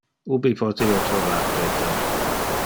Ubi pote io trovar Peter?